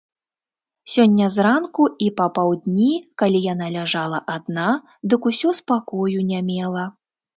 Сёння зранку і папаўдні, калі яна ляжала адна, дык усё спакою не мела.